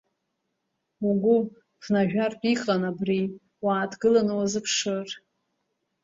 Угәы ԥнажәартә иҟан абри уааҭгыланы уазыԥшыр.